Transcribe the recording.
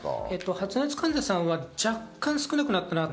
発熱患者さんは若干少なくなったなと。